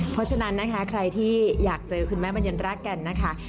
เพราะฉะนั้นนะคะใครที่อยากเจอคุณแม่บรรเย็นรักกันนะคะ